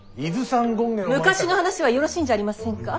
昔の話はよろしいんじゃありませんか。